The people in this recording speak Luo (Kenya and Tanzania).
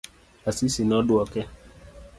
Asisi noduoke.